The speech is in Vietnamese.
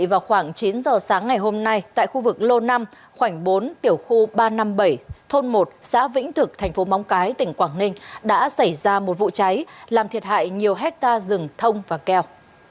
vào khoảng chín giờ sáng ngày hôm nay tại khu vực lô năm khoảnh bốn tiểu khu ba trăm năm mươi bảy thôn một xã vĩnh thực thành phố móng cái tỉnh quảng ninh đã xảy ra một vụ cháy làm thiệt hại nhiều hectare rừng thông và keo